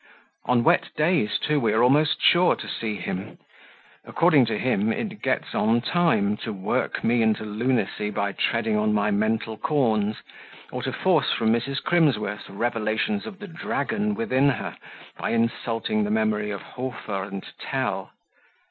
On wet days, too, we are almost sure to see him; according to him, it gets on time to work me into lunacy by treading on my mental corns, or to force from Mrs. Crimsworth revelations of the dragon within her, by insulting the memory of Hofer and Tell.